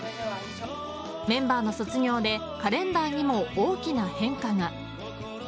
メンバーの卒業でカレンダーにも大きな変化が。